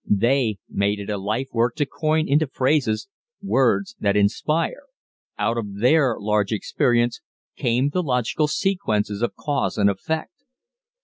They made it a life work to coin into phrases words that inspire. Out of their large experience came the logical sequences of cause and effect.